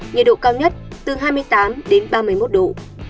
nhiệt độ cao nhất từ hai mươi tám ba mươi một độ